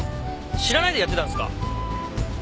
知らないでやってたんですか？